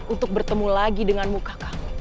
untuk bertemu lagi denganmu kakak